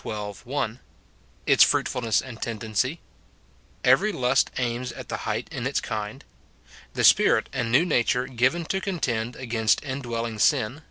1 — Its fruitfiilness and tendency — Every lust aims at the height in its kind — The Spirit and new nature given to contend against indwelling sin.